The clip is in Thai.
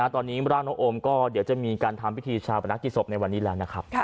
ตอนนี้ร่างน้องโอมก็เดี๋ยวจะมีการทำพิธีชาปนักกิจศพในวันนี้แล้วนะครับ